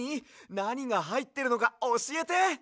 なにがはいってるのかおしえて！